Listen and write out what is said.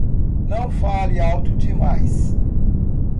Não fale alto demais.